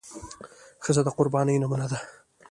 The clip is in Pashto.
ښځه د قربانۍ نمونه ده.